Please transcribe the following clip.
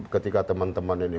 ketika teman teman ini